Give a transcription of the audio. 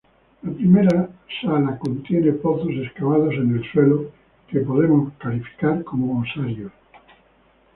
La primera sala contiene pozos excavados en el suelo, que podemos calificar como osarios.